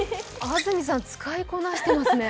安住さん、使いこなしてますね。